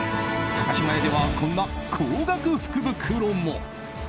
高島屋ではこんな高額福袋も。